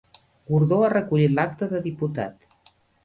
Gordó ha recollit l'acta de diputat